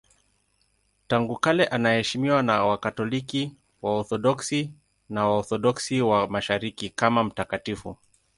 Tangu kale anaheshimiwa na Wakatoliki, Waorthodoksi na Waorthodoksi wa Mashariki kama mtakatifu.